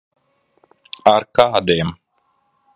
Ar kādiem?